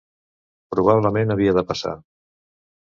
Probablement havia de passar.